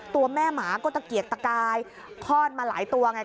ตัวแม่หมาก็ตะเกียกตะกายคลอดมาหลายตัวไง